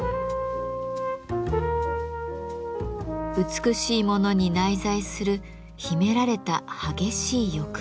美しいものに内在する秘められた激しい欲望。